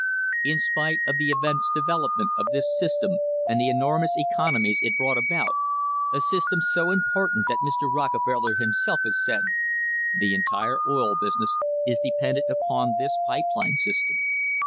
In spite of the immense develop ment of this system and the enormous economies it brought about a system so important that Mr. Rockefeller himself has said: "The entire oil business is dependent upon this pipe line system.